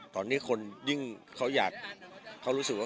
ตอนนี้คนยิ่งเค้ารู้สึกให้เป็นแบบ